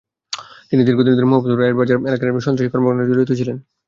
তিনি দীর্ঘদিন ধরে মোহাম্মদপুর রায়ের বাজার এলাকায় সন্ত্রাসী কর্মকাণ্ডে জড়িত ছিলেন।